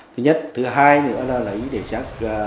thứ nhất thứ hai nữa là lấy để xác